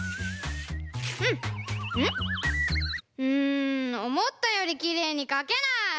うんおもったよりきれいにかけない！